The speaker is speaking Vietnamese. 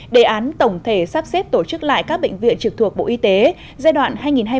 đề án tổng thể sắp xếp tổ chức lại các bệnh viện trực thuộc bộ y tế giai đoạn hai nghìn hai mươi ba hai nghìn ba mươi